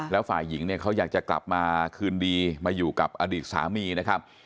แล้วฝ่ายหญิงเนี่ยเขาอยากจะกลับมาคืนดีมาอยู่กับอดีตสามีนะครับ